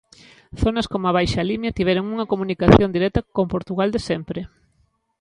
Zonas como a Baixa Limia tiveron unha comunicación directa con Portugal de sempre.